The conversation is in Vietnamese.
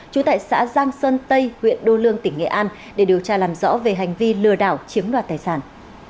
trú tại xã giang sơn tây huyện đô lương tỉnh nghệ an để điều tra làm rõ về hành vi lừa đảo chiếm đoạt tài sản